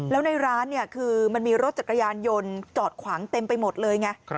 แล้วในร้านมีรถกระยานยนต์จอดขวางเต็มไปหมดเลยไง